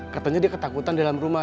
katanya dia ketakutan di dalam rumah